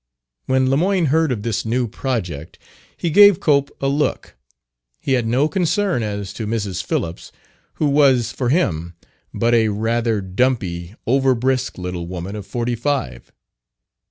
When Lemoyne heard of this new project he gave Cope a look. He had no concern as to Mrs. Phillips, who was, for him, but a rather dumpy, over brisk, little woman of forty five.